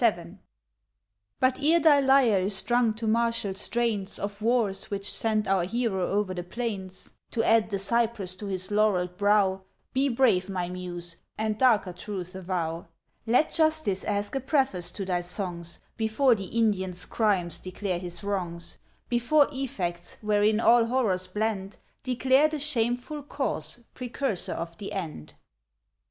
VII. But ere thy lyre is strung to martial strains Of wars which sent our hero o'er the plains, To add the cypress to his laureled brow, Be brave, my Muse, and darker truths avow. Let Justice ask a preface to thy songs, Before the Indian's crimes declare his wrongs; Before effects, wherein all horrors blend, Declare the shameful cause, precursor of the end.